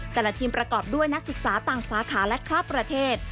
แต่ละทีมประกอบด้วยนักศึกษาต่างสาขาและข้ามประเทศ